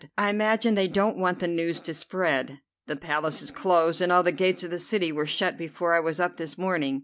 "I imagine they don't want the news to spread. The Palace is closed, and all the gates of the city were shut before I was up this morning.